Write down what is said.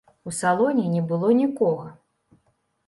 У салоне не было нікога.